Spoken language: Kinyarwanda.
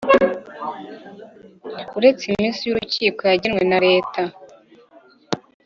Uretse iminsi y ikiruhuko yagenwe na Leta